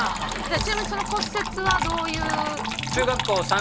ちなみにその骨折はどういう？